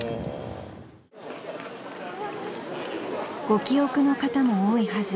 ［ご記憶の方も多いはず］